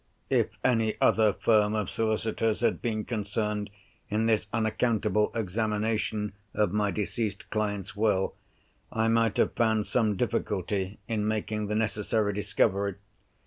If any other firm of solicitors had been concerned in this unaccountable examination of my deceased client's Will, I might have found some difficulty in making the necessary discovery.